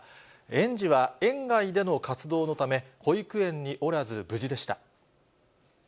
園児は園外での活動のため、保育園におらず無事でした。